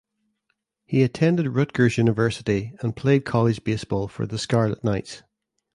He attended Rutgers University and played college baseball for the Scarlet Knights.